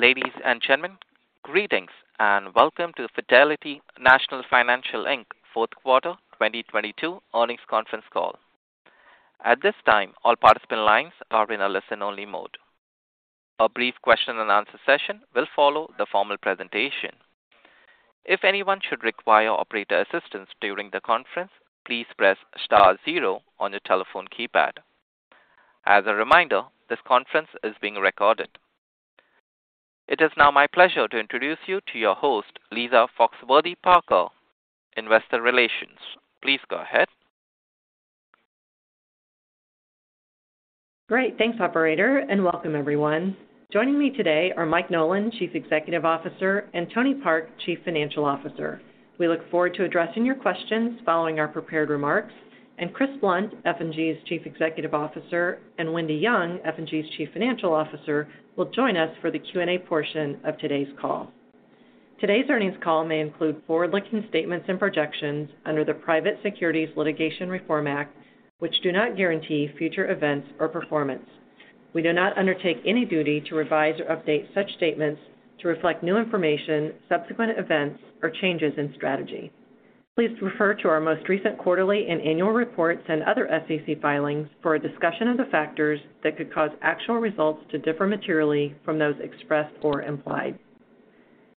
Ladies and gentlemen, greetings, and welcome to the Fidelity National Financial, Inc. fourth quarter 2022 earnings conference call. At this time, all participant lines are in a listen-only mode. A brief question-and-answer session will follow the formal presentation. If anyone should require operator assistance during the conference, please press star zero on your telephone keypad. As a reminder, this conference is being recorded. It is now my pleasure to introduce you to your host, Lisa Foxworthy-Parker, investor relations. Please go ahead. Great. Thanks, operator, welcome everyone. Joining me today are Mike Nolan, Chief Executive Officer, and Tony Park, Chief Financial Officer. We look forward to addressing your questions following our prepared remarks. Chris Blunt, F&G's Chief Executive Officer, and Wendy Young, F&G's Chief Financial Officer, will join us for the Q&A portion of today's call. Today's earnings call may include forward-looking statements and projections under the Private Securities Litigation Reform Act, which do not guarantee future events or performance. We do not undertake any duty to revise or update such statements to reflect new information, subsequent events, or changes in strategy. Please refer to our most recent quarterly and annual reports and other SEC filings for a discussion of the factors that could cause actual results to differ materially from those expressed or implied.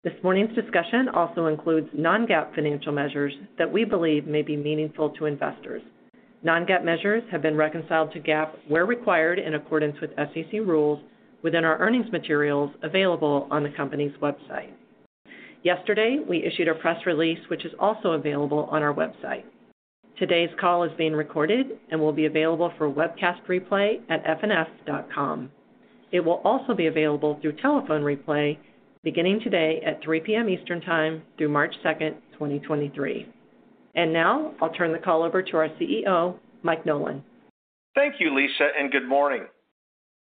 This morning's discussion also includes non-GAAP financial measures that we believe may be meaningful to investors. Non-GAAP measures have been reconciled to GAAP where required in accordance with SEC rules within our earnings materials available on the company's website. Yesterday, we issued a press release which is also available on our website. Today's call is being recorded and will be available for webcast replay at fnf.com. It will also be available through telephone replay beginning today at 3 P.M. Eastern time through March 2nd, 2023. Now I'll turn the call over to our CEO, Mike Nolan. Thank you, Lisa, and good morning.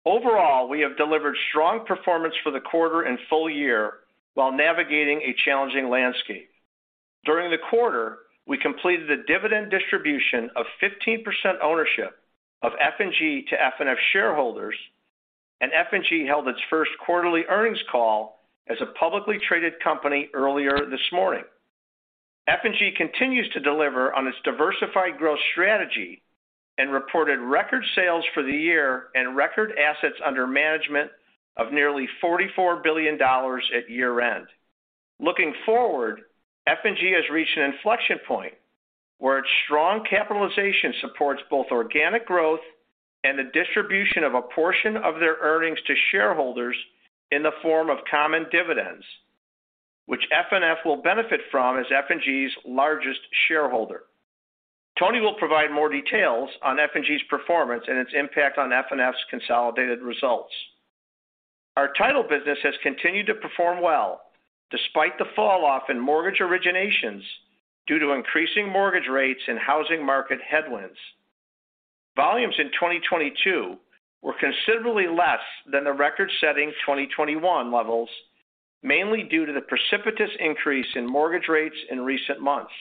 Overall, we have delivered strong performance for the quarter and full year while navigating a challenging landscape. During the quarter, we completed a dividend distribution of 15% ownership of F&G to FNF shareholders, and F&G held its first quarterly earnings call as a publicly traded company earlier this morning. F&G continues to deliver on its diversified growth strategy and reported record sales for the year and record assets under management of nearly $44 billion at year-end. Looking forward, F&G has reached an inflection point where its strong capitalization supports both organic growth and the distribution of a portion of their earnings to shareholders in the form of common dividends, which FNF will benefit from as F&G's largest shareholder. Tony will provide more details on F&G's performance and its impact on FNF's consolidated results. Our title business has continued to perform well despite the falloff in mortgage originations due to increasing mortgage rates and housing market headwinds. Volumes in 2022 were considerably less than the record-setting 2021 levels, mainly due to the precipitous increase in mortgage rates in recent months.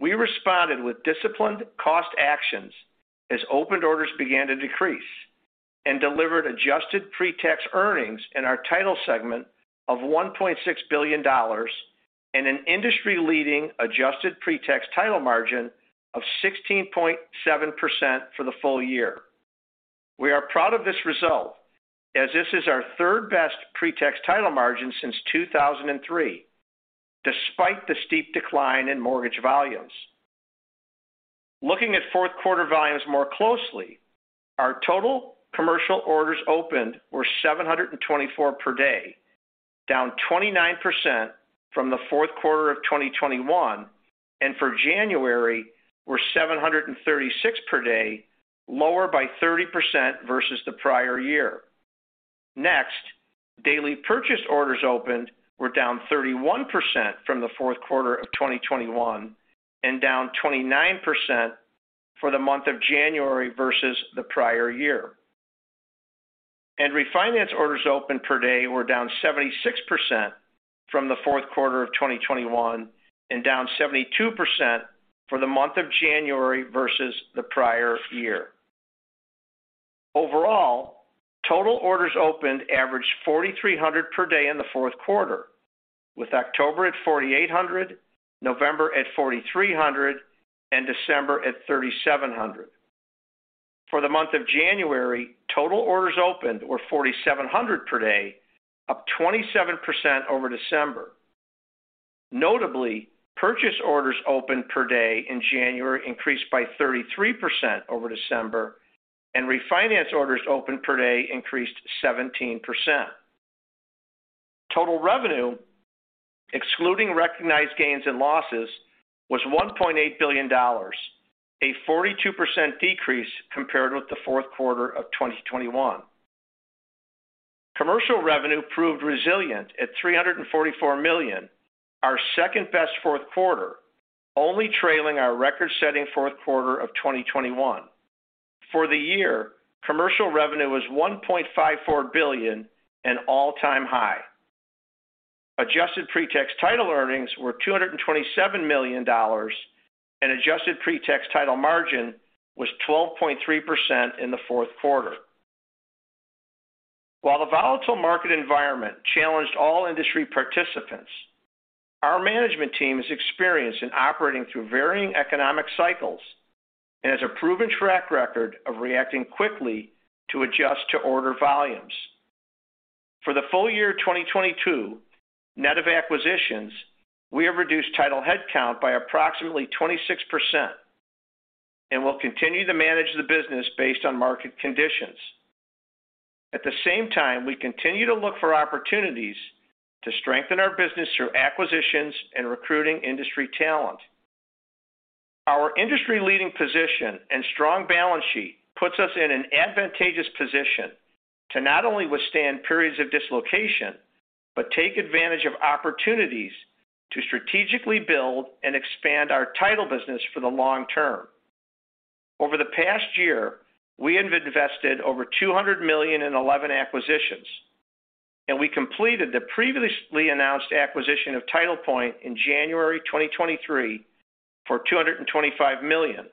We responded with disciplined cost actions as opened orders began to decrease and delivered adjusted pre-tax earnings in our title segment of $1.6 billion and an industry-leading adjusted pre-tax title margin of 16.7% for the full year. We are proud of this result as this is our third-best pre-tax title margin since 2003, despite the steep decline in mortgage volumes. Looking at fourth quarter volumes more closely, our total commercial orders opened were 724 per day, down 29% from the fourth quarter of 2021, and for January were 736 per day, lower by 30% versus the prior year. Next, daily purchase orders opened were down 31% from the fourth quarter of 2021 and down 29% for the month of January versus the prior year. Refinance orders open per day were down 76% from the fourth quarter of 2021 and down 72% for the month of January versus the prior year. Overall, total orders opened averaged 4,300 per day in the fourth quarter, with October at 4,800, November at 4,300, and December at 3,700. For the month of January, total orders opened were 4,700 per day, up 27% over December. Notably, purchase orders open per day in January increased by 33% over December, and refinance orders open per day increased 17%. Total revenue, excluding recognized gains and losses, was $1.8 billion, a 42% decrease compared with the fourth quarter of 2021. Commercial revenue proved resilient at $344 million, our second-best fourth quarter, only trailing our record-setting fourth quarter of 2021. For the year, commercial revenue was $1.54 billion, an all-time high. Adjusted pre-tax title earnings were $227 million and adjusted pre-tax title margin was 12.3% in the fourth quarter. While the volatile market environment challenged all industry participants, our management team is experienced in operating through varying economic cycles and has a proven track record of reacting quickly to adjust to order volumes. For the full year of 2022, net of acquisitions, we have reduced title headcount by approximately 26% and will continue to manage the business based on market conditions. At the same time, we continue to look for opportunities to strengthen our business through acquisitions and recruiting industry talent. Our industry leading position and strong balance sheet puts us in an advantageous position to not only withstand periods of dislocation, but take advantage of opportunities to strategically build and expand our title business for the long term. Over the past year, we have invested over $200 million in 11 acquisitions, and we completed the previously announced acquisition of TitlePoint in January 2023 for $225 million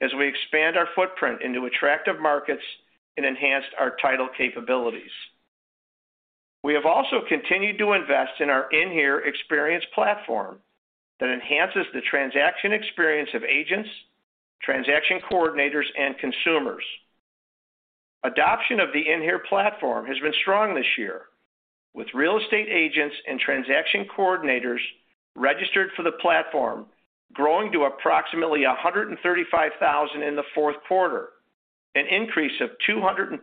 as we expand our footprint into attractive markets and enhanced our title capabilities. We have also continued to invest in our inHere experience platform that enhances the transaction experience of agents, transaction coordinators, and consumers. Adoption of the inHere platform has been strong this year, with real estate agents and transaction coordinators registered for the platform growing to approximately 135,000 in the fourth quarter, an increase of 220%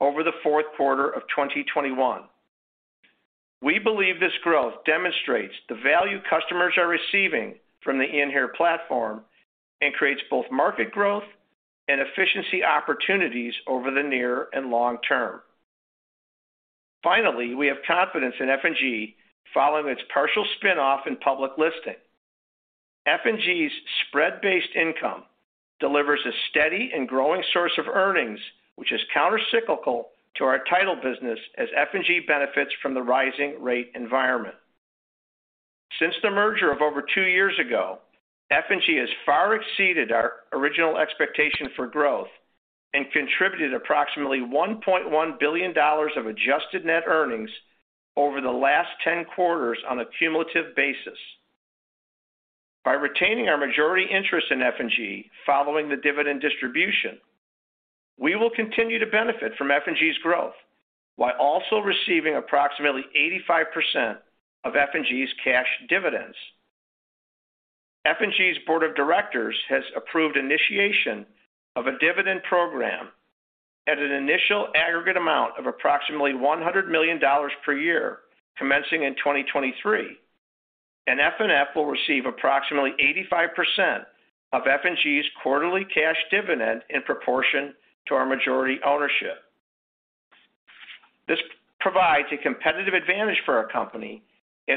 over the fourth quarter of 2021. We believe this growth demonstrates the value customers are receiving from the inHere platform and creates both market growth and efficiency opportunities over the near and long term. Finally, we have confidence in F&G following its partial spin-off and public listing. F&G's spread-based income delivers a steady and growing source of earnings, which is countercyclical to our title business as F&G benefits from the rising rate environment. Since the merger of over two years ago, F&G has far exceeded our original expectation for growth and contributed approximately $1.1 billion of adjusted net earnings over the last 10 quarters on a cumulative basis. By retaining our majority interest in F&G following the dividend distribution, we will continue to benefit from F&G's growth while also receiving approximately 85% of F&G's cash dividends. F&G's board of directors has approved initiation of a dividend program at an initial aggregate amount of approximately $100 million per year commencing in 2023. FNF will receive approximately 85% of F&G's quarterly cash dividend in proportion to our majority ownership. This provides a competitive advantage for our company.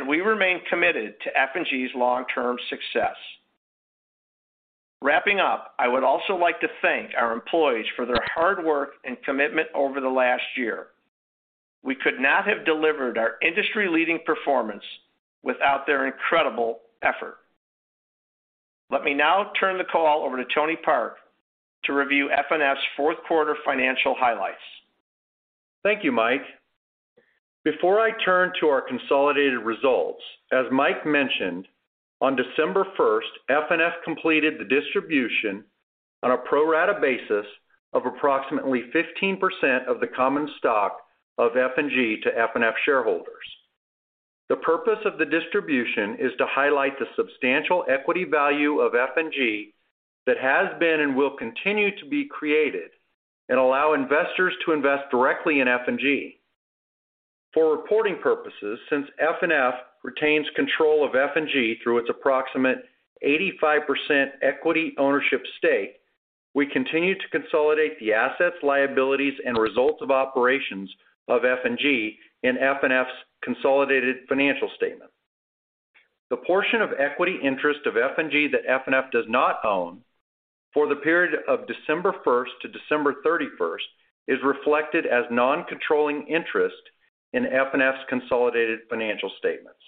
We remain committed to F&G's long-term success. Wrapping up, I would also like to thank our employees for their hard work and commitment over the last year. We could not have delivered our industry-leading performance without their incredible effort. Let me now turn the call over to Tony Park to review FNF's fourth quarter financial highlights. Thank you, Mike. Before I turn to our consolidated results, as Mike mentioned, on December 1st, FNF completed the distribution on a pro rata basis of approximately 15% of the common stock of F NGto FNF shareholders. The purpose of the distribution is to highlight the substantial equity value of F&G that has been and will continue to be created and allow investors to invest directly in F&G. For reporting purposes, since FNF retains control of F&G through its approximate 85% equity ownership stake, we continue to consolidate the assets, liabilities, and results of operations of F&G in FNF's consolidated financial statement. The portion of equity interest of F&G that FNF does not own for the period of December 1st to December 31st is reflected as non-controlling interest in FNF's consolidated financial statements.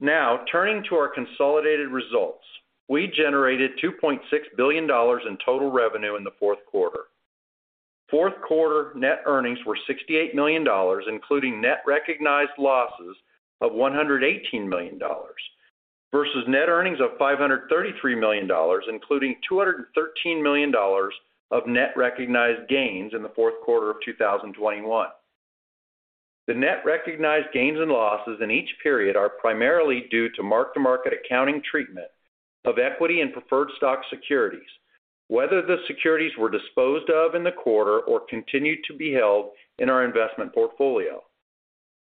Now, turning to our consolidated results. We generated $2.6 billion in total revenue in the fourth quarter. Fourth quarter net earnings were $68 million, including net recognized losses of $118 million versus net earnings of $533 million including $213 million of net recognized gains in the fourth quarter of 2021. The net recognized gains and losses in each period are primarily due to mark-to-market accounting treatment of equity and preferred stock securities, whether the securities were disposed of in the quarter or continued to be held in our investment portfolio.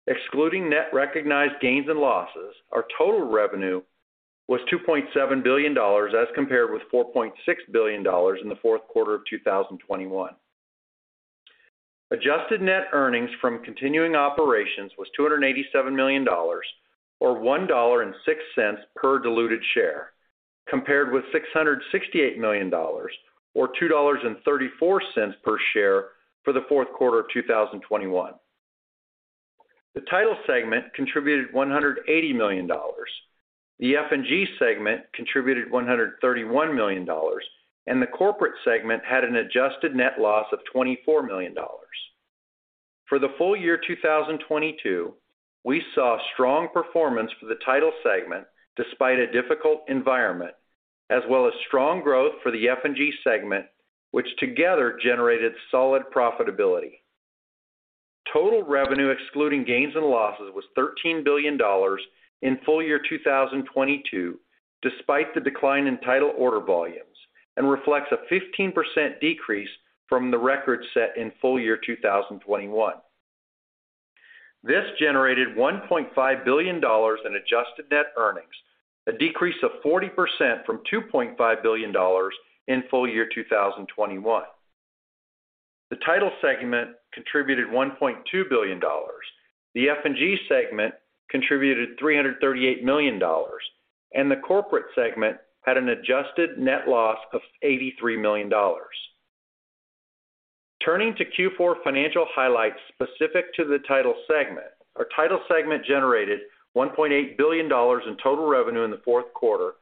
Excluding net recognized gains and losses, our total revenue was $2.7 billion as compared with $4.6 billion in the fourth quarter of 2021. Adjusted net earnings from continuing operations was $287 million or $1.06 per diluted share. Compared with $668 million or $2.34 per share for the fourth quarter of 2021. The Title segment contributed $180 million. The F&G segment contributed $131 million, and the Corporate segment had an adjusted net loss of $24 million. For the full year 2022, we saw strong performance for the Title segment despite a difficult environment, as well as strong growth for the F&G segment, which together generated solid profitability. Total revenue excluding gains and losses was $13 billion in full year 2022 despite the decline in Title order volumes, and reflects a 15% decrease from the record set in full year 2021. This generated $1.5 billion in adjusted net earnings, a decrease of 40% from $2.5 billion in full year 2021. The Title segment contributed $1.2 billion. The F&G segment contributed $338 million, and the Corporate segment had an adjusted net loss of $83 million. Turning to Q4 financial highlights specific to the Title segment. Our Title segment generated $1.8 billion in total revenue in the fourth quarter,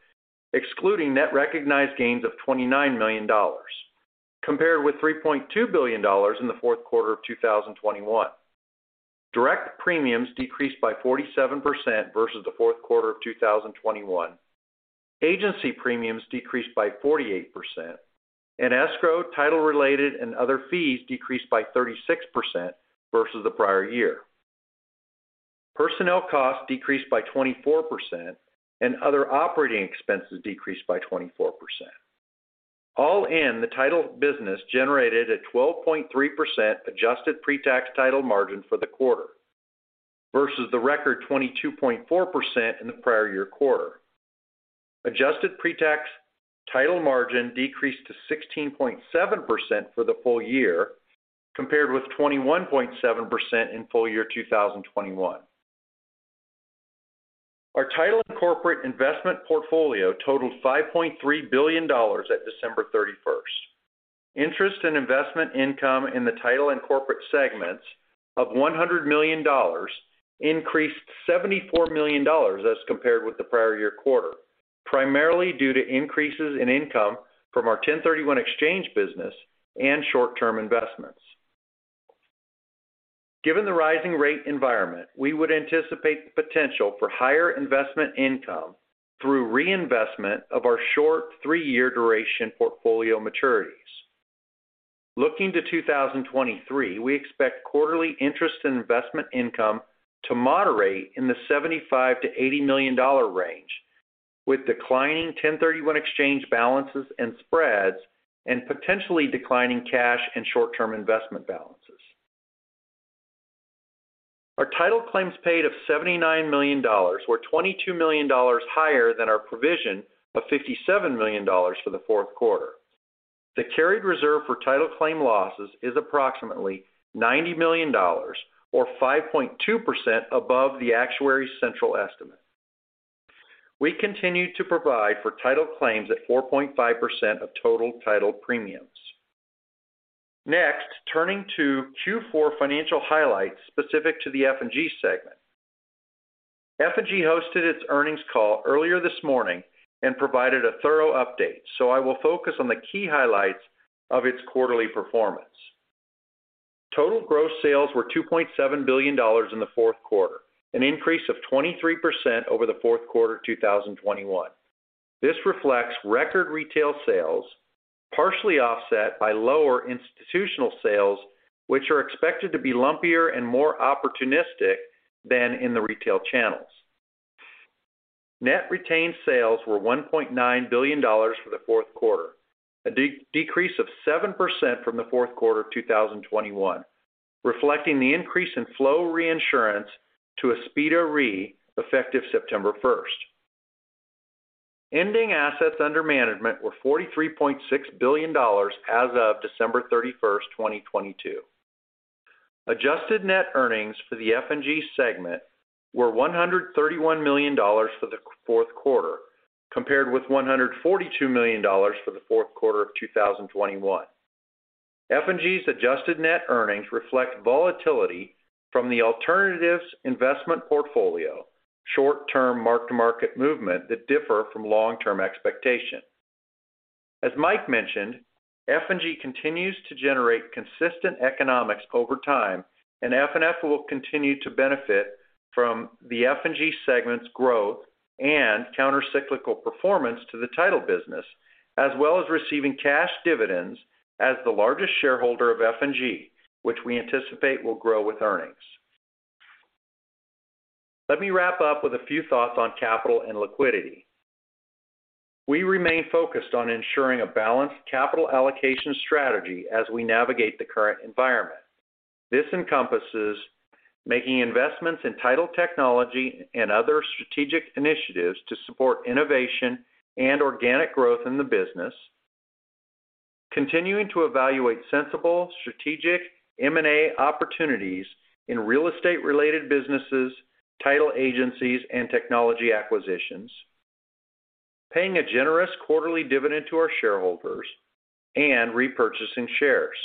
excluding net recognized gains of $20 million, compared with $3.2 billion in the fourth quarter of 2021. Direct premiums decreased by 47% versus the fourth quarter of 2021. Agency premiums decreased by 48%, and escrow title related and other fees decreased by 36% versus the prior year. Personnel costs decreased by 24% and other operating expenses decreased by 24%. All in, the Title business generated a 12.3% adjusted pre-tax Title margin for the quarter versus the record 22.4% in the prior year quarter. Adjusted pre-tax Title margin decreased to 16.7% for the full year, compared with 21.7% in full year 2021. Our Title and corporate investment portfolio totaled $5.3 billion at December 31st. Interest in investment income in the Title and corporate segments of $100 million increased $74 million as compared with the prior-year quarter, primarily due to increases in income from our 1031 exchange business and short term investments. Given the rising rate environment, we would anticipate the potential for higher investment income through reinvestment of our short three-year duration portfolio maturities. Looking to 2023, we expect quarterly interest and investment income to moderate in the $75 million-$80 million range, with declining 1031 exchange balances and spreads, and potentially declining cash and short term investment balances. Our Title claims paid of $79 million were $22 million higher than our provision of $57 million for the fourth quarter. The carried reserve for title claim losses is approximately $90 million or 5.2% above the actuary's central estimate. We continue to provide for title claims at 4.5% of total title premiums. Next, turning to Q4 financial highlights specific to the F&G segment. F&G hosted its earnings call earlier this morning and provided a thorough update, so I will focus on the key highlights of its quarterly performance. Total gross sales were $2.7 billion in the fourth quarter, an increase of 23% over the fourth quarter 2021. This reflects record retail sales, partially offset by lower institutional sales, which are expected to be lumpier and more opportunistic than in the retail channels. Net retained sales were $1.9 billion for the fourth quarter, a de-decrease of 7% from the fourth quarter of 2021, reflecting the increase in flow reinsurance to Aspida Re effective September 1st. Ending assets under management were $43.6 billion as of December 31st, 2022. Adjusted net earnings for the F&G segment were $131 million for the fourth quarter, compared with $142 million for the fourth quarter of 2021. F&G's adjusted net earnings reflect volatility from the alternatives investment portfolio, short-term mark-to-market movement that differ from long-term expectation. As Mike mentioned, F&G continues to generate consistent economics over time, and FNF will continue to benefit from the F&G segment's growth and counter-cyclical performance to the Title business, as well as receiving cash dividends as the largest shareholder of F&G, which we anticipate will grow with earnings. Let me wrap up with a few thoughts on capital and liquidity. We remain focused on ensuring a balanced capital allocation strategy as we navigate the current environment. This encompasses making investments in Title technology and other strategic initiatives to support innovation and organic growth in the businessContinuing to evaluate sensible strategic M&A opportunities in real estate-related businesses, title agencies and technology acquisitions. Paying a generous quarterly dividend to our shareholders and repurchasing shares.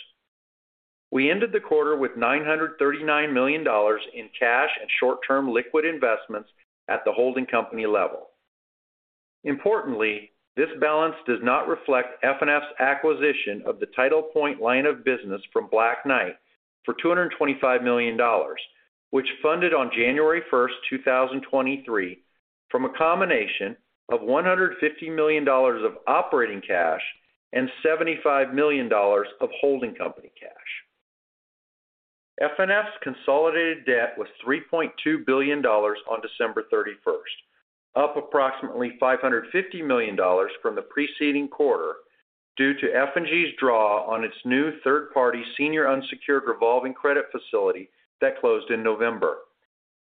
We ended the quarter with $939 million in cash and short-term liquid investments at the holding company level. Importantly, this balance does not reflect FNF's acquisition of the TitlePoint line of business from Black Knight for $225 million, which funded on January 1st, 2023 from a combination of $150 million of operating cash and $75 million of holding company cash. FNF's consolidated debt was $3.2 billion on December 31, up approximately $550 million from the preceding quarter due to F&G's draw on its new third-party senior unsecured revolving credit facility that closed in November.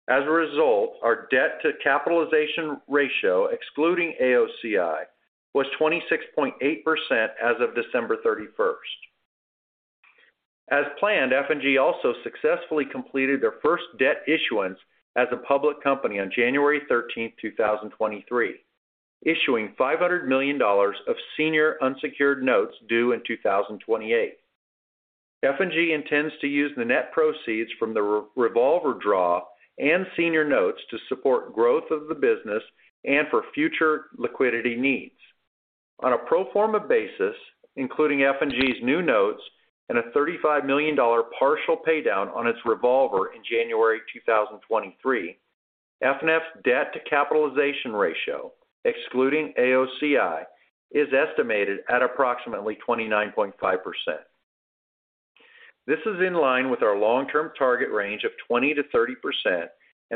As a result, our debt-to-capitalization ratio, excluding AOCI, was 26.8% as of December 31st. As planned, F&G also successfully completed their first debt issuance as a public company on January 13th, 2023, issuing $500 million of senior unsecured notes due in 2028. F&G intends to use the net proceeds from the re-revolver draw and senior notes to support growth of the business and for future liquidity needs. On a pro forma basis, including F&G's new notes and a $35 million partial pay down on its revolver in January 2023, FNF's debt-to-capitalization ratio, excluding AOCI, is estimated at approximately 29.5%. This is in line with our long-term target range of 20%-30%,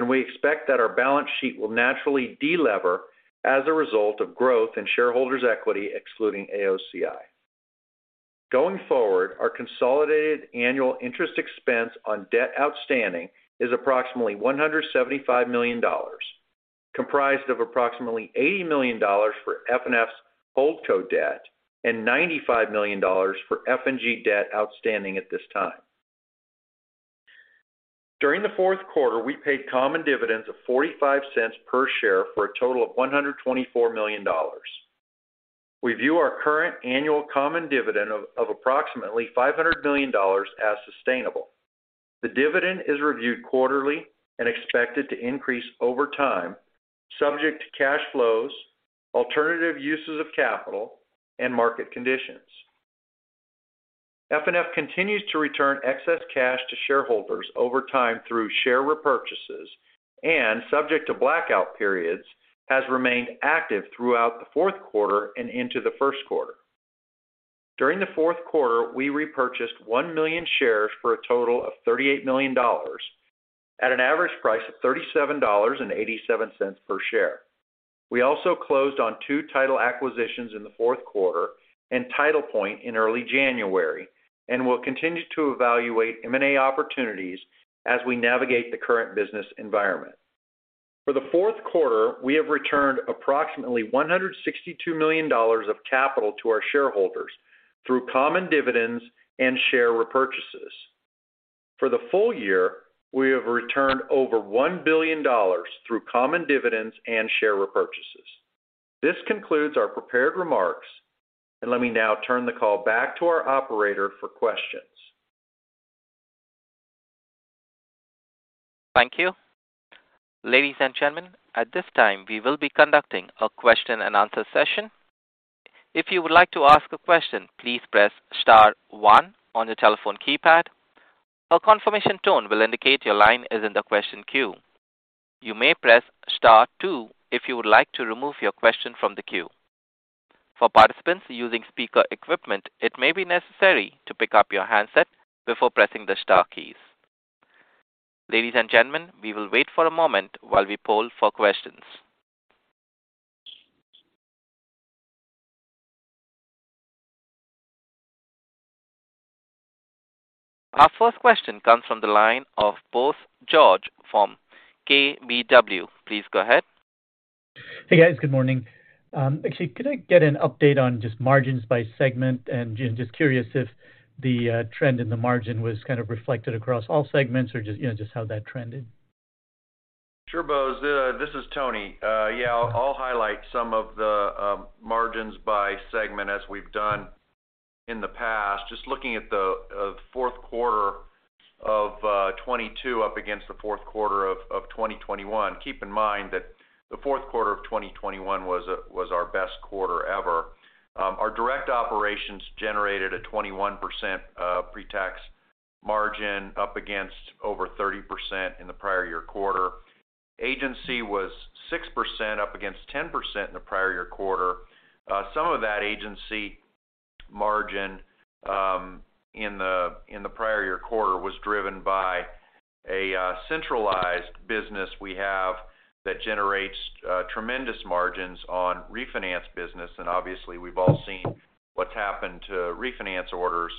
we expect that our balance sheet will naturally de-lever as a result of growth in shareholders' equity excluding AOCI. Going forward, our consolidated annual interest expense on debt outstanding is approximately $175 million, comprised of approximately $80 million for FNF's holdco debt and $95 million for F&G debt outstanding at this time. During the fourth quarter, we paid common dividends of $0.45 per share for a total of $124 million. We view our current annual common dividend of approximately $500 million as sustainable. The dividend is reviewed quarterly and expected to increase over time, subject to cash flows, alternative uses of capital, and market conditions. FNF continues to return excess cash to shareholders over time through share repurchases and, subject to blackout periods, has remained active throughout the fourth quarter and into the first quarter. During the fourth quarter, we repurchased 1 million shares for a total of $38 million at an average price of $37.87 per share. We also closed on two title acquisitions in the fourth quarter and TitlePoint in early January and will continue to evaluate M&A opportunities as we navigate the current business environment. For the fourth quarter, we have returned approximately $162 million of capital to our shareholders through common dividends and share repurchases. For the full year, we have returned over $1 billion through common dividends and share repurchases. This concludes our prepared remarks. Let me now turn the call back to our operator for questions. Thank you. Ladies and gentlemen, at this time, we will be conducting a question and answer session. If you would like to ask a question, please press star one on your telephone keypad. A confirmation tone will indicate your line is in the question queue. You may press star two if you would like to remove your question from the queue. For participants using speaker equipment, it may be necessary to pick up your handset before pressing the star keys. Ladies and gentlemen, we will wait for a moment while we poll for questions. Our first question comes from the line of Bose George from KBW. Please go ahead. Hey, guys. Good morning. Actually, could I get an update on just margins by segment? Just curious if the trend in the margin was kind of reflected across all segments or just, you know, just how that trended. Sure, Bose. This is Tony. Yeah, I'll highlight some of the margins by segment as we've done in the past. Just looking at the fourth quarter of 2022 up against the fourth quarter of 2021. Keep in mind that the fourth quarter of 2021 was our best quarter ever. Our direct operations generated a 21% pretax margin up against over 30% in the prior year quarter. Agency was 6% up against 10% in the prior year quarter. Some of that Agency margin in the prior year quarter was driven by a centralized business we have that generates tremendous margins on refinance business. Obviously, we've all seen what's happened to refinance orders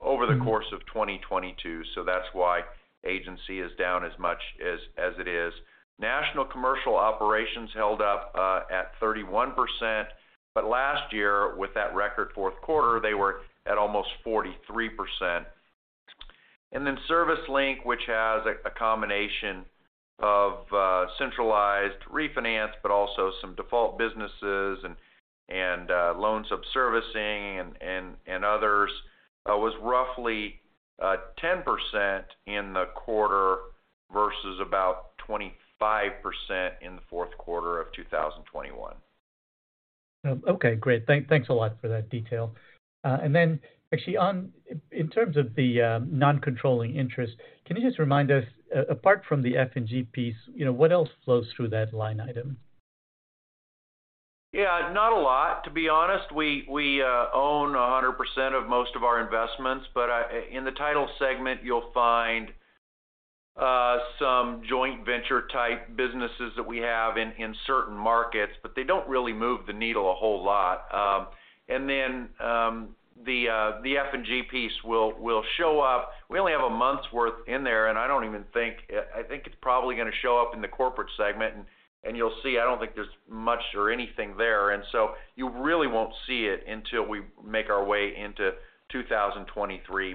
over the course of 2022, that's why Agency is down as much as it is. National commercial operations held up, at 31%. Last year, with that record fourth quarter, they were at almost 43%. ServiceLink, which has a combination of centralized refinance, but also some default businesses and loan subservicing and others, was roughly 10% in the quarter versus about 25% in the fourth quarter of 2021. Okay, great. Thanks a lot for that detail. Actually on in terms of the non-controlling interest, can you just remind us, apart from the F&G piece, you know, what else flows through that line item? Yeah, not a lot. To be honest, we own 100% of most of our investments. In the title segment, you'll find some joint venture type businesses that we have in certain markets, but they don't really move the needle a whole lot. Then the F&G piece will show up. We only have a month's worth in there, and I don't even think. I think it's probably going to show up in the corporate segment. You'll see, I don't think there's much or anything there. You really won't see it until we make our way into 2023.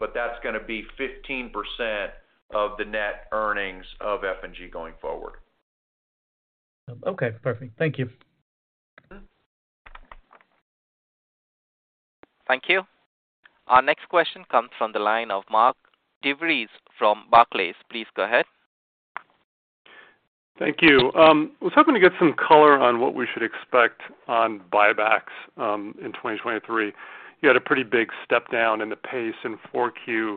That's going to be 15% of the net earnings of F&G going forward. Okay, perfect. Thank you. Thank you. Our next question comes from the line of Mark DeVries from Barclays. Please go ahead. Thank you. I was hoping to get some color on what we should expect on buybacks in 2023. You had a pretty big step down in the pace in Q4.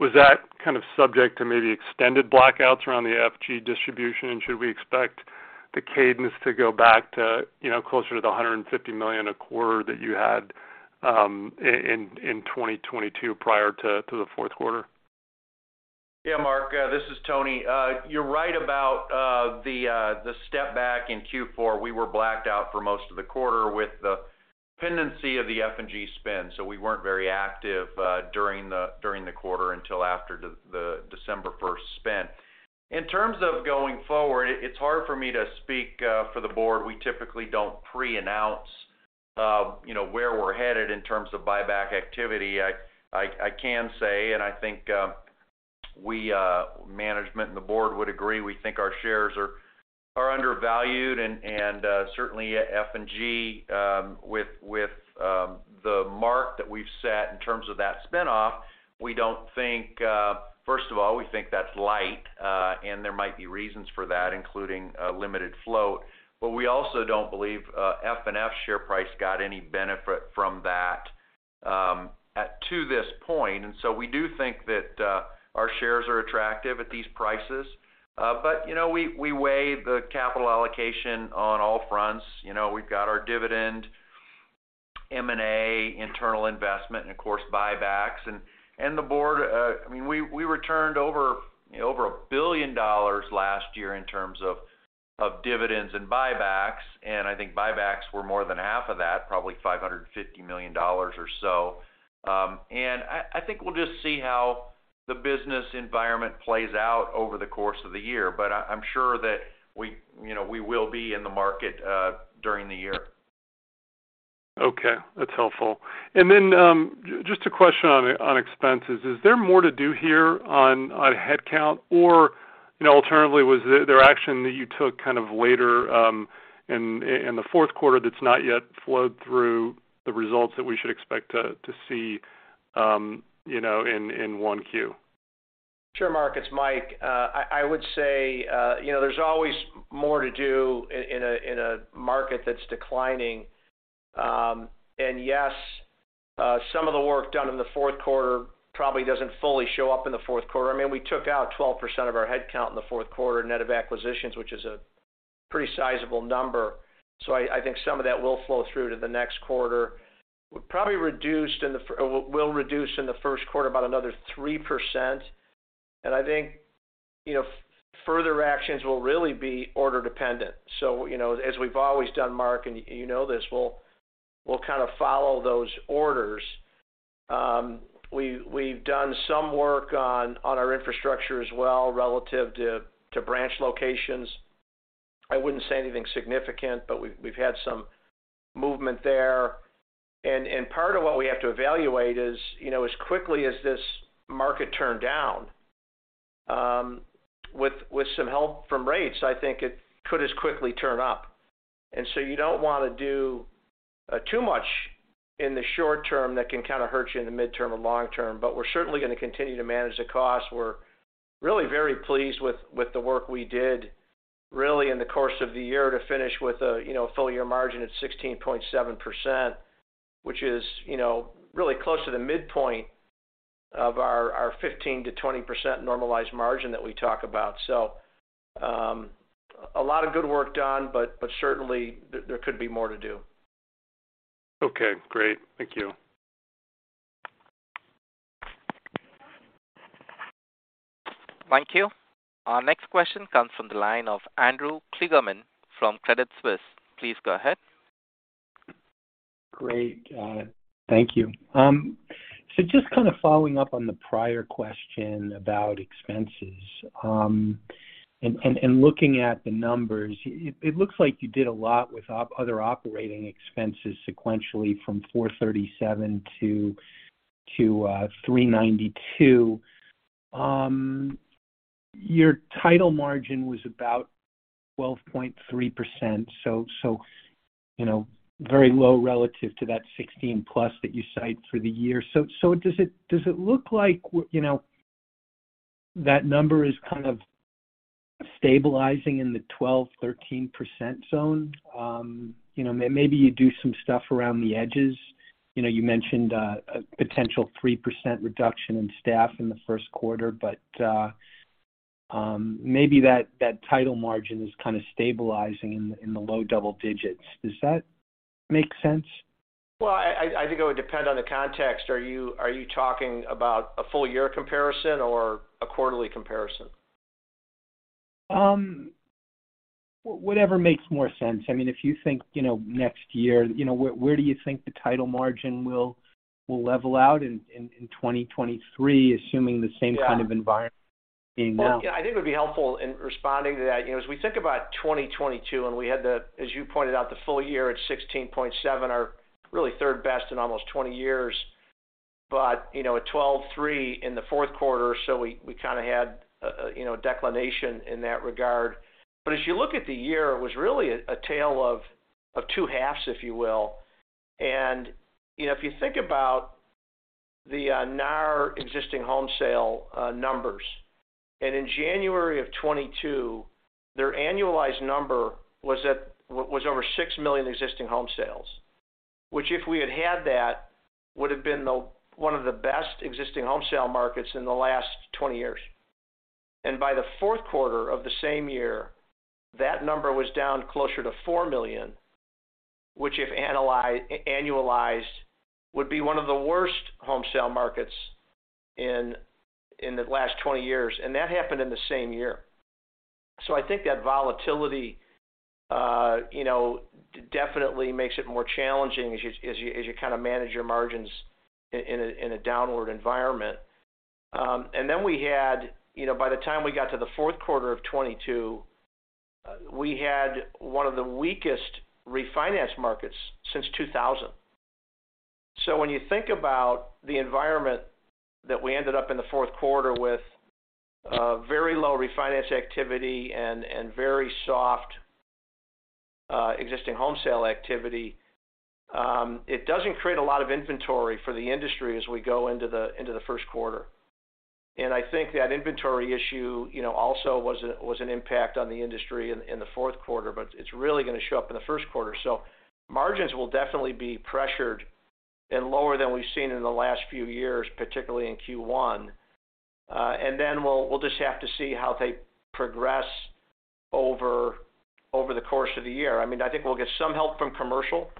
Was that kind of subject to maybe extended blackouts around the F&G distribution? Should we expect the cadence to go back to, you know, closer to the $150 million a quarter that you had in 2022 prior to the fourth quarter? Yeah, Mark, this is Tony. You're right about the step back in Q4. We were blacked out for most of the quarter with the pendency of the F&G spin, so we weren't very active during the quarter until after the December first spin. In terms of going forward, it's hard for me to speak for the board. We typically don't preannounce, you know, where we're headed in terms of buyback activity. I can say, and I think, we management and the board would agree, we think our shares are undervalued and certainly F&G, with the mark that we've set in terms of that spin-off, we don't think... First of all, we think that's light, and there might be reasons for that, including a limited float. We also don't believe, FNF share price got any benefit from that at this point. We do think that our shares are attractive at these prices. You know, we weigh the capital allocation on all fronts. You know, we've got our dividend, M&A, internal investment, and of course, buybacks. The board, I mean, we returned over $1 billion last year in terms of dividends and buybacks, and I think buybacks were more than half of that, probably $550 million or so. I think we'll just see how the business environment plays out over the course of the year. I'm sure that we, you know, we will be in the market during the year. Okay, that's helpful. Just a question on expenses. Is there more to do here on headcount? You know, alternatively, was there action that you took kind of later in the fourth quarter that's not yet flowed through the results that we should expect to see, you know, in Q1? Sure, Mark, it's Mike. I would say, you know, there's always more to do in a market that's declining. Yes, some of the work done in the fourth quarter probably doesn't fully show up in the fourth quarter. I mean, we took out 12% of our headcount in the fourth quarter net of acquisitions, which is a pretty sizable number. I think some of that will flow through to the next quarter. We're probably reduced. We'll reduce in the first quarter about another 3%. I think, you know, further actions will really be order dependent. You know, as we've always done, Mark, and you know this, we'll kind of follow those orders. We've done some work on our infrastructure as well relative to branch locations. I wouldn't say anything significant, but we've had some movement there. Part of what we have to evaluate is, you know, as quickly as this market turned down, with some help from rates, I think it could as quickly turn up. You don't want to do too much in the short term that can kind of hurt you in the midterm or long term. We're certainly going to continue to manage the cost. We're really very pleased with the work we did really in the course of the year to finish with a, you know, full year margin at 16.7%, which is, you know, really close to the midpoint of our 15%-20% normalized margin that we talk about. A lot of good work done, but certainly there could be more to do. Okay, great. Thank you. Thank you. Our next question comes from the line of Andrew Kligerman from Credit Suisse. Please go ahead. Great. Thank you. Just kind of following up on the prior question about expenses, and looking at the numbers, it looks like you did a lot with other operating expenses sequentially from $437 to $392. Your title margin was about 12.3%, so, you know, very low relative to that 16+ that you cite for the year. Does it look like, you know, that number is kind of stabilizing in the 12%-13% zone? You know, maybe you do some stuff around the edges. You know, you mentioned a potential 3% reduction in staff in the first quarter, but maybe that title margin is kind of stabilizing in the low double digits. Does that make sense? Well, I think it would depend on the context. Are you talking about a full year comparison or a quarterly comparison? Whatever makes more sense. I mean, if you think, you know, next year, you know, where do you think the title margin will level out in 2023, assuming the same? Yeah kind of environment now? Yeah, I think it would be helpful in responding to that. You know, as we think about 2022, as you pointed out, the full year at 16.7 are really 3rd best in almost 20 years. You know, at 12.3 in the Q4, we kinda had, you know, declination in that regard. As you look at the year, it was really a tale of two halves, if you will. You know, if you think about the NAR existing home sale numbers, in January of 2022, their annualized number was over 6 million existing home sales. Which if we had had that, would have been one of the best existing home sale markets in the last 20 years. By the fourth quarter of the same year, that number was down closer to 4 million, which if annualized would be one of the worst home sale markets in the last 20 years. That happened in the same year. I think that volatility, you know, definitely makes it more challenging as you kinda manage your margins in a downward environment. We had, you know, by the time we got to the fourth quarter of 2022, we had one of the weakest refinance markets since 2000. When you think about the environment that we ended up in the fourth quarter with, very low refinance activity and very soft, existing home sale activity, it doesn't create a lot of inventory for the industry as we go into the first quarter. I think that inventory issue, you know, also was an impact on the industry in the fourth quarter, but it's really gonna show up in the first quarter. Margins will definitely be pressured and lower than we've seen in the last few years, particularly in Q1. Then we'll just have to see how they progress over the course of the year. I mean, I think we'll get some help from commercial.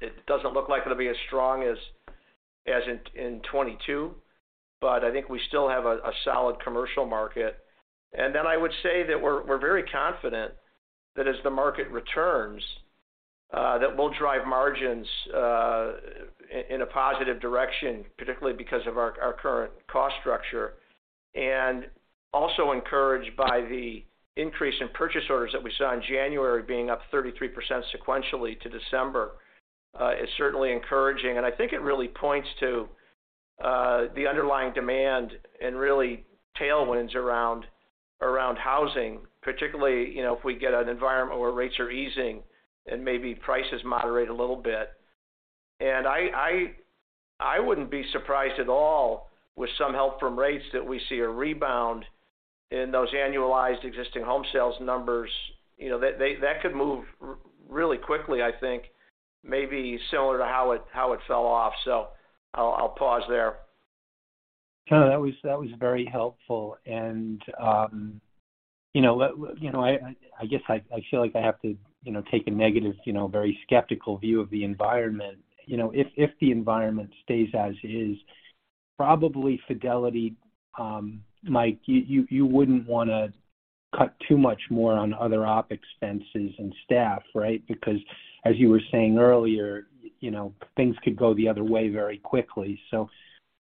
It doesn't look like it'll be as strong as in 2022, but I think we still have a solid commercial market. I would say that we're very confident that as the market returns, that will drive margins in a positive direction, particularly because of our current cost structure. Also encouraged by the increase in purchase orders that we saw in January being up 33% sequentially to December, is certainly encouraging. I think it really points to the underlying demand and really tailwinds around housing, particularly, you know, if we get an environment where rates are easing and maybe prices moderate a little bit. I wouldn't be surprised at all with some help from rates that we see a rebound in those annualized existing home sales numbers. You know, that could move really quickly, I think, maybe similar to how it fell off. I'll pause there. No, that was very helpful. You know, I guess I feel like I have to, you know, take a negative, you know, very skeptical view of the environment. You know, if the environment stays as is, probably Fidelity, Mike, you wouldn't wanna cut too much more on other op expenses and staff, right? Because as you were saying earlier, you know, things could go the other way very quickly. Should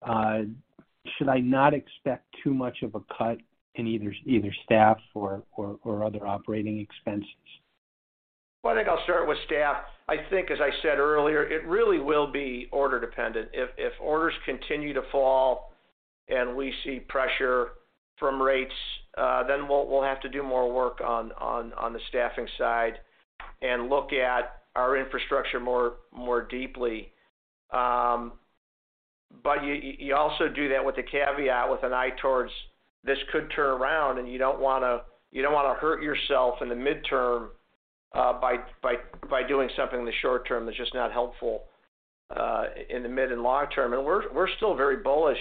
I not expect too much of a cut in either staff or other operating expenses? Well, I think I'll start with staff. I think, as I said earlier, it really will be order dependent. If orders continue to fall and we see pressure from rates, then we'll have to do more work on the staffing side and look at our infrastructure more deeply. But you also do that with the caveat, with an eye towards this could turn around and you don't wanna, you don't wanna hurt yourself in the midterm, by doing something in the short term that's just not helpful in the mid and long term. We're still very bullish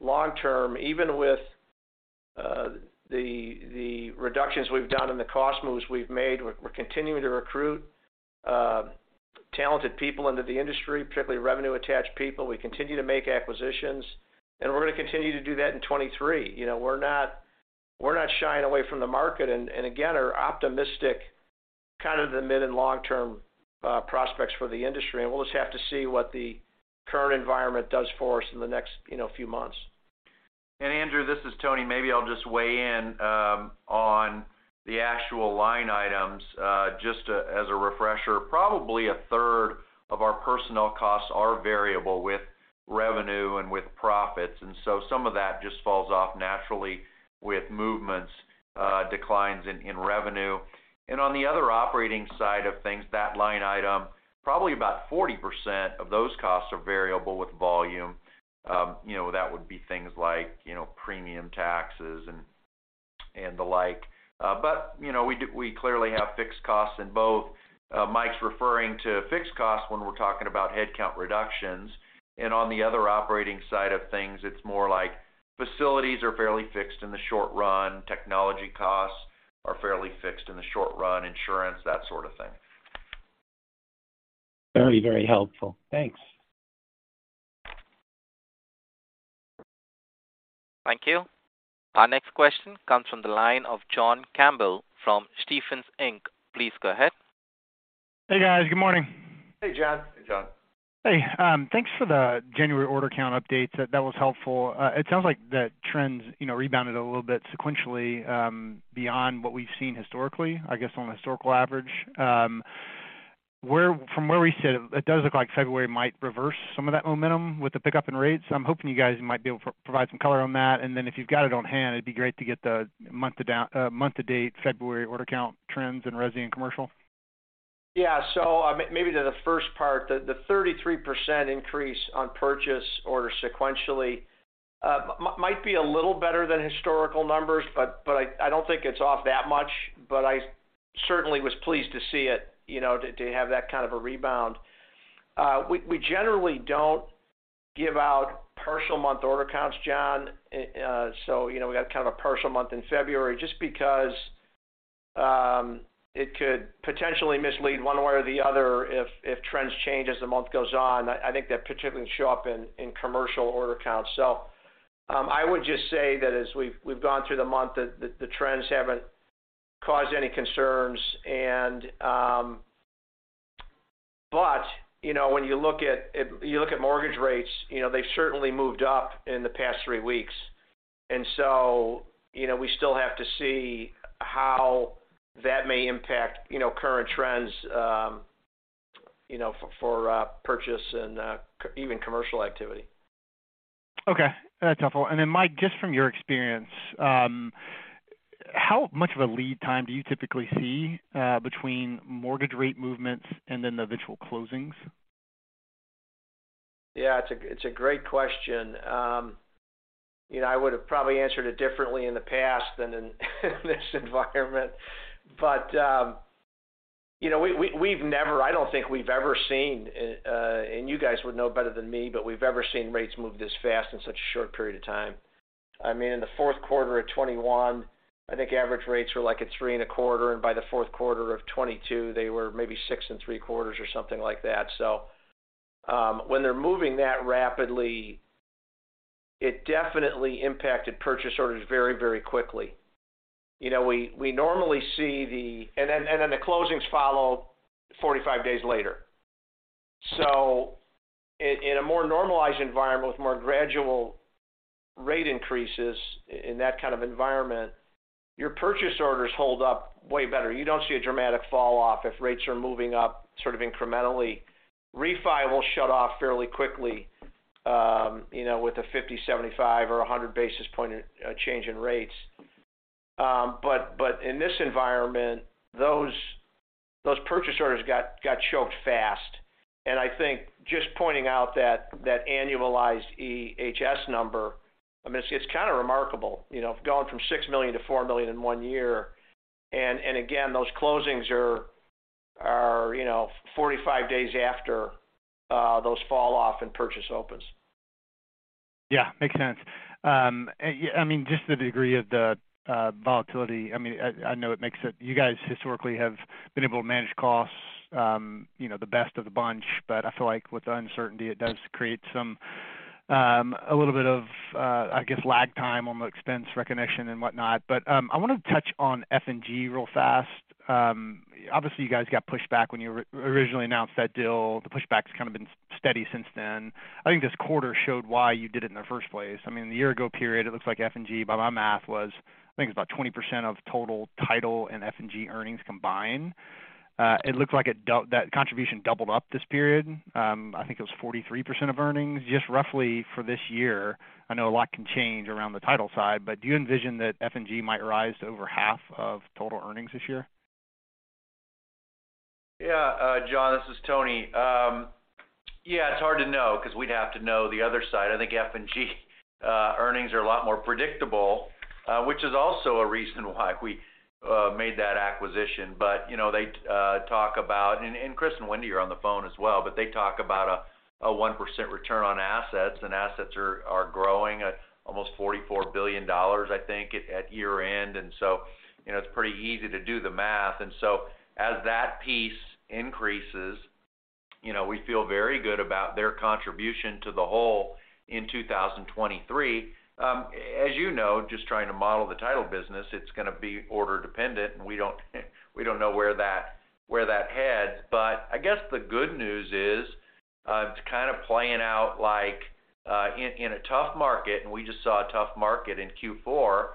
long term, even The reductions we've done and the cost moves we've made, we're continuing to recruit talented people into the industry, particularly revenue attached people. We continue to make acquisitions, we're going to continue to do that in 23. You know, we're not shying away from the market and again, are optimistic kind of the mid- and long-term prospects for the industry. We'll just have to see what the current environment does for us in the next, you know, few months. Andrew, this is Tony. Maybe I'll just weigh in on the actual line items as a refresher. Probably a third of our personnel costs are variable with revenue and with profits, and so some of that just falls off naturally with movements, declines in revenue. On the other operating side of things, that line item, probably about 40% of those costs are variable with volume. You know, that would be things like, you know, premium taxes and the like. You know, we clearly have fixed costs in both. Mike's referring to fixed costs when we're talking about headcount reductions. On the other operating side of things, it's more like facilities are fairly fixed in the short run. Technology costs are fairly fixed in the short run, insurance, that sort of thing. Very, very helpful. Thanks. Thank you. Our next question comes from the line of John Campbell from Stephens Inc. Please go ahead. Hey, guys. Good morning. Hey, John. Hey, John. Hey. Thanks for the January order count updates. That was helpful. It sounds like the trends, you know, rebounded a little bit sequentially, beyond what we've seen historically, I guess on historical average. From where we sit, it does look like February might reverse some of that momentum with the pickup in rates. I'm hoping you guys might be able to provide some color on that. If you've got it on hand, it'd be great to get the month to date February order count trends in resi and commercial. Yeah. Maybe to the first part, the 33% increase on purchase orders sequentially, might be a little better than historical numbers, but I don't think it's off that much. I certainly was pleased to see it, you know, to have that kind of a rebound. We generally don't give out partial month order counts, John, so, you know, we got kind of a partial month in February just because, it could potentially mislead one way or the other if trends change as the month goes on. I think that particularly show up in commercial order counts. I would just say that as we've gone through the month, the trends haven't caused any concerns. you know, when you look at, you look at mortgage rates, you know, they've certainly moved up in the past three weeks. you know, we still have to see how that may impact, you know, current trends, you know, for, purchase and, even commercial activity. Okay. That's helpful. Then, Mike, just from your experience, how much of a lead time do you typically see, between mortgage rate movements and then the eventual closings? Yeah, it's a, it's a great question. You know, I would have probably answered it differently in the past than in this environment. You know, I don't think we've ever seen, and you guys would know better than me, but we've ever seen rates move this fast in such a short period of time. I mean, in the fourth quarter of 2021, I think average rates were like a three and a quarter, and by the fourth quarter of 2022, they were maybe six and three quarters or something like that. When they're moving that rapidly, it definitely impacted purchase orders very, very quickly. You know, we normally see the... And then the closings follow 45 days later. In a more normalized environment with more gradual rate increases in that kind of environment, your purchase orders hold up way better. You don't see a dramatic fall off if rates are moving up sort of incrementally. Refi will shut off fairly quickly, you know, with a 50, 75 or 100 basis point change in rates. But in this environment, those purchase orders got choked fast. I think just pointing out that annualized EHS number, I mean, it's kind of remarkable, you know, going from 6 million to 4 million in one year. Again, those closings are, you know, 45 days after those fall off and purchase opens. Makes sense. Yeah, I mean, just the degree of the volatility, I mean, I know it makes it. You guys historically have been able to manage costs, you know, the best of the bunch, but I feel like with the uncertainty, it does create some a little bit of, I guess, lag time on the expense recognition and whatnot. I want to touch on F&G real fast. Obviously, you guys got pushback when you originally announced that deal. The pushback's kind of been steady since then. I think this quarter showed why you did it in the first place. I mean, the year-ago period, it looks like F&G, by my math, was, I think, it was about 20% of total title and F&G earnings combined. It looks like that contribution doubled up this period. I think it was 43% of earnings. Just roughly for this year, I know a lot can change around the title side, but do you envision that F&G might rise to over half of total earnings this year? Yeah. John, this is Tony. Yeah, it's hard to know 'cause we'd have to know the other side. I think F&G earnings are a lot more predictable, which is also a reason why we made that acquisition. You know, they talk about... Chris and Wendy are on the phone as well, but they talk about a 1% return on assets, and assets are growing at almost $44 billion, I think, at year-end. You know, it's pretty easy to do the math. As that piece increases, you know, we feel very good about their contribution to the whole in 2023. As you know, just trying to model the title business, it's gonna be order dependent, and we don't know where that heads. I guess the good news is, it's kind of playing out like, in a tough market. We just saw a tough market in Q4.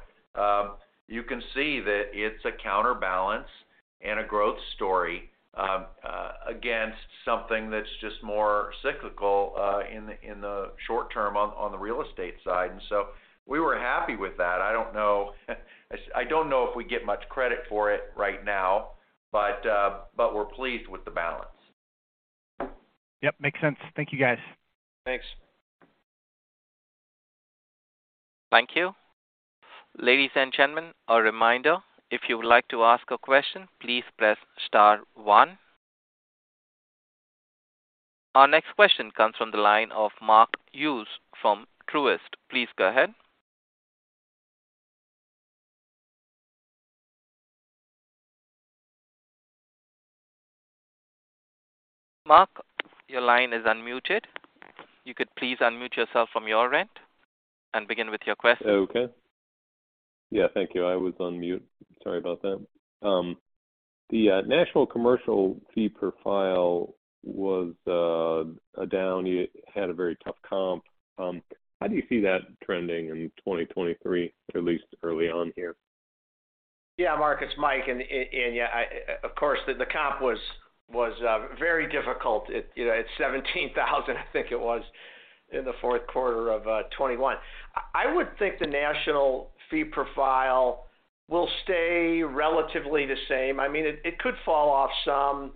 You can see that it's a counterbalance and a growth story against something that's just more cyclical in the short term on the real estate side. We were happy with that. I don't know, I don't know if we get much credit for it right now. We're pleased with the balance. Yep, makes sense. Thank you, guys. Thanks. Thank you. Ladies and gentlemen, a reminder, if you would like to ask a question, please press star one. Our next question comes from the line of Mark Hughes from Truist. Please go ahead. Mark, your line is unmuted. You could please unmute yourself from your end and begin with your question. Thank you. I was on mute. Sorry about that. The national commercial fee profile was down. You had a very tough comp. How do you see that trending in 2023, or at least early on here? Yeah, Mark, it's Mike. Of course, the comp was very difficult. It, you know, at $17,000 I think it was in the fourth quarter of 2021. I would think the national fee profile will stay relatively the same. I mean, it could fall off some.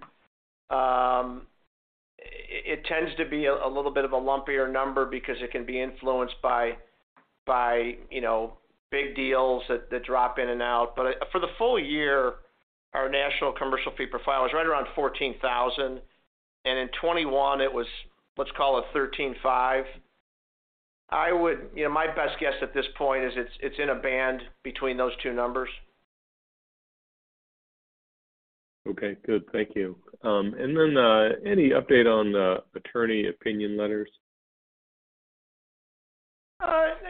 It tends to be a little bit of a lumpier number because it can be influenced by, you know, big deals that drop in and out. For the full year, our national commercial fee profile is right around $14,000, and in 2021 it was, let's call it $13,500. You know, my best guess at this point is it's in a band between those two numbers. Okay, good. Thank you. Then, any update on the attorney opinion letters?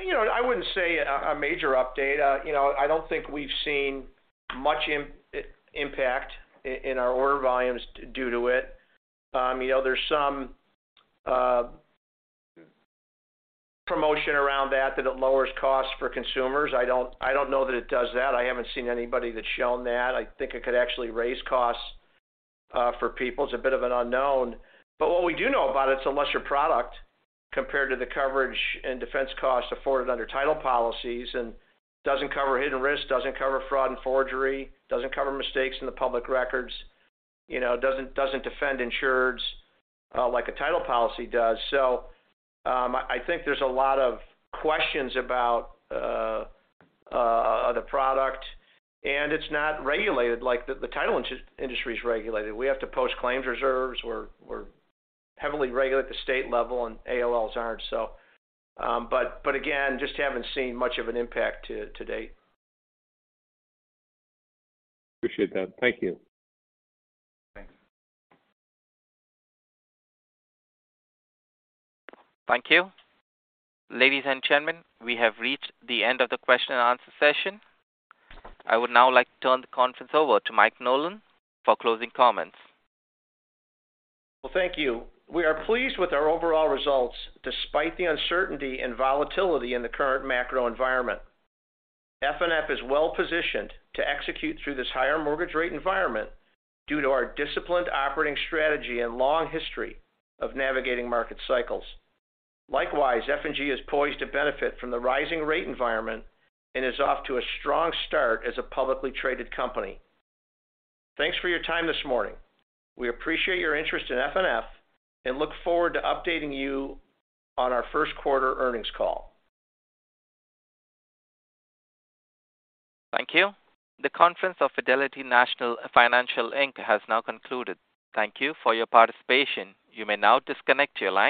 You know, I wouldn't say a major update. You know, I don't think we've seen much impact in our order volumes due to it. You know, there's some promotion around that that it lowers costs for consumers. I don't, I don't know that it does that. I haven't seen anybody that's shown that. I think it could actually raise costs for people. It's a bit of an unknown. What we do know about it's a lesser product compared to the coverage and defense costs afforded under title policies, and doesn't cover hidden risks, doesn't cover fraud and forgery, doesn't cover mistakes in the public records, you know, doesn't defend insureds like a title policy does. I think there's a lot of questions about the product, and it's not regulated like the title industry is regulated. We have to post claims reserves. We're heavily regulated at the state level, and ALs aren't. Again, just haven't seen much of an impact to date. Appreciate that. Thank you. Thanks. Thank you. Ladies and gentlemen, we have reached the end of the question and answer session. I would now like to turn the conference over to Mike Nolan for closing comments. Thank you. We are pleased with our overall results despite the uncertainty and volatility in the current macro environment. FNF is well-positioned to execute through this higher mortgage rate environment due to our disciplined operating strategy and long history of navigating market cycles. Likewise, F&G is poised to benefit from the rising rate environment and is off to a strong start as a publicly traded company. Thanks for your time this morning. We appreciate your interest in FNF and look forward to updating you on our first quarter earnings call. Thank you. The conference of Fidelity National Financial, Inc. has now concluded. Thank you for your participation. You may now disconnect your line.